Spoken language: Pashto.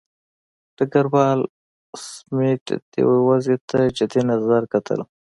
ډګروال سمیت دې وضع ته جدي نظر کتل.